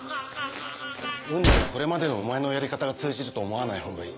雲野にこれまでのお前のやり方が通じると思わないほうがいい。